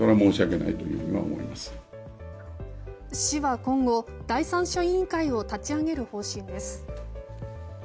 市は今後、第三者委員会を立ち上げる方針です。